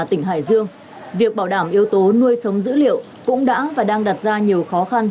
tỉnh hải dương việc bảo đảm yếu tố nuôi sống dữ liệu cũng đã và đang đặt ra nhiều khó khăn